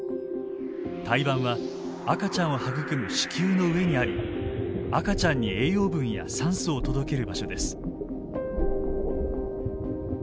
胎盤は赤ちゃんを育む子宮の上にあり赤ちゃんに栄養分や酸素を届ける場所です。